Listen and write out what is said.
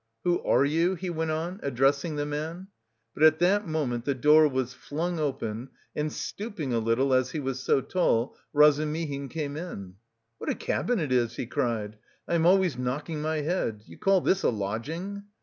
"Who... are you?" he went on, addressing the man. But at that moment the door was flung open, and, stooping a little, as he was so tall, Razumihin came in. "What a cabin it is!" he cried. "I am always knocking my head. You call this a lodging!